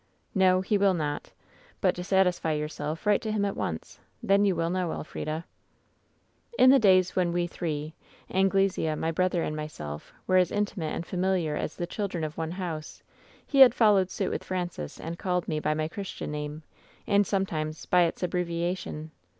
" 'No, he will not. But, to satisfy yourself, write to him at once. Then you will know, Elfrida 1" WHEN SHADOWS DIE 188 "In the days when we three — Anglesea, my brother and myself were as intimate and familiar as the children of one house — ^he had followed suit with Francis and called me by my Christian name, and sometimes by its abbreviation.